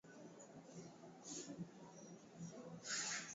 Upande wa diniVasco da Gama alikuwa Mkristo wa Kanisa Katoliki